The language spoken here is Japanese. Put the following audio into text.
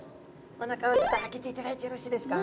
おなかをちょっと開けていただいてよろしいですか？